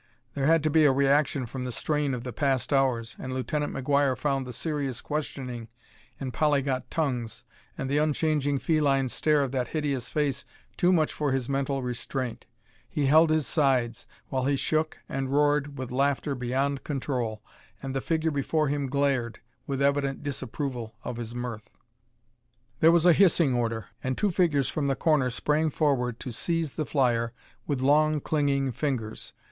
There had to be a reaction from the strain of the past hours, and Lieutenant McGuire found the serious questioning in polyglot tongues and the unchanging feline stare of that hideous face too much for his mental restraint. He held his sides, while he shook and roared with laughter beyond control, and the figure before him glared with evident disapproval of his mirth. There was a hissing order, and two figures from the corner sprang forward to seize the flyer with long clinging fingers.